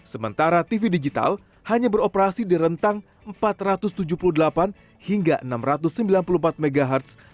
sementara tv digital hanya beroperasi di rentang empat ratus tujuh puluh delapan hingga enam ratus sembilan puluh empat mhz